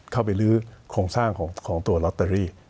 เข้าไปลื้อโครงสร้างของตัวลอตเตอรี่